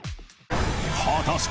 果たして